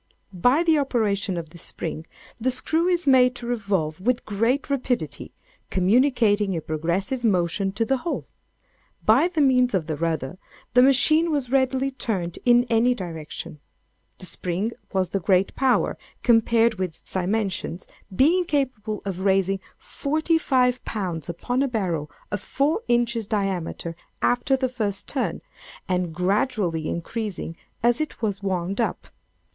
By the operation of this spring, the screw is made to revolve with great rapidity, communicating a progressive motion to the whole. By means of the rudder, the machine was readily turned in any direction. The spring was of great power, compared with its dimensions, being capable of raising forty five pounds upon a barrel of four inches diameter, after the first turn, and gradually increasing as it was wound up.